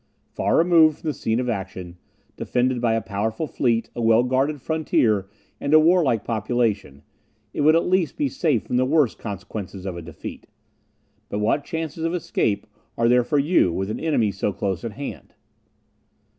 Far removed from the scene of action, defended by a powerful fleet, a well guarded frontier, and a warlike population, it would at least be safe from the worst consequences of a defeat. But what chances of escape are there for you, with an enemy so close at hand?"